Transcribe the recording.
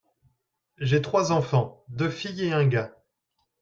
J'ai trois enfants, deux filles et un gars.